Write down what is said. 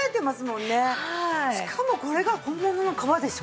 しかもこれが本物の革でしょ。